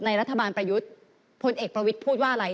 รัฐบาลประยุทธ์พลเอกประวิทย์พูดว่าอะไร